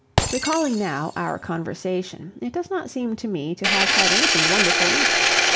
Recalling now our conversation, it does not seem to me to have had anything wonderful it in.